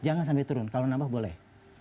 jangan sampai turun kalau nambah boleh